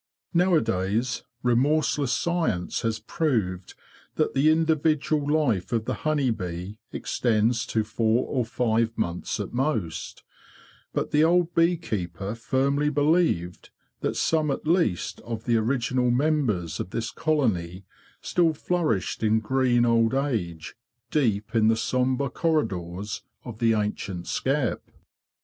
Nowadays remorseless science has proved that the individual life of the honey bee extends to four or five months at most; but the old bee keeper firmly believed that some at least of the original members of this colony still flourished in green old age deep in the sombre corridors of the ancient skep.